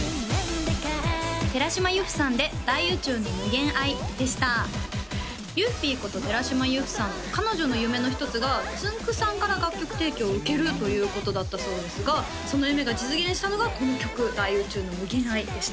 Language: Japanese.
精神ゆっふぃーこと寺嶋由芙さん彼女の夢の一つがつんく♂さんから楽曲提供を受けるということだったそうですがその夢が実現したのがこの曲「大宇宙の無限愛」でした